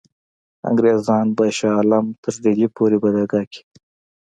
انګرېزان به شاه عالم تر ډهلي پوري بدرګه کړي.